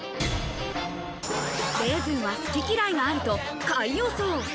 レーズンは好き嫌いがあると下位予想。